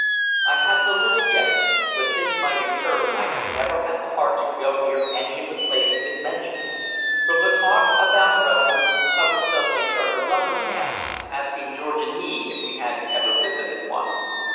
I have the list yet, but since my return I have never had the heart to go near any of the places it mentions. From the talk about restaurants Hubbard suddenly turned to lumber camps, asking George and me if we had ever visited one.